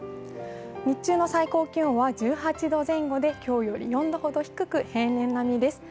日中の最高気温は１８度前後で今日より４度ほど低く平年並みです。